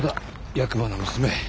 役場の娘。